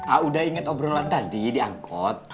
a'udha inget obrolan tadi diangkut